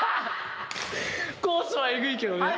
コースはエグいけどね。